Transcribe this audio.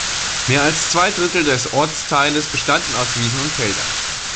Mehr als zwei Drittel des Ortsteiles bestanden aus Wiesen und Feldern.